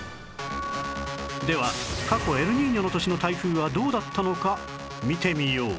では過去エルニーニョの年の台風はどうだったのか見てみよう